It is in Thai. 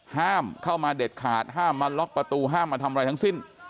ห้ามเข้ามาเด็ดขาดห้ามมาล็อกประตูห้ามมาทำอะไรทั้งสิ้น